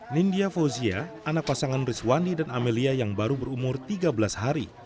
nindya fauzia anak pasangan rizwani dan amelia yang baru berumur tiga belas hari